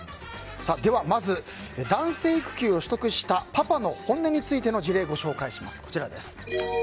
まず男性育休を取得したパパの本音について事例をご紹介します。